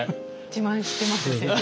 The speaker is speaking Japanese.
自慢してます先生？